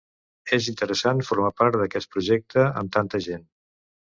Es interesant formar part d'aquest projecte amb tanta gent